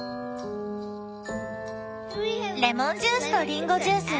レモンジュースとリンゴジュース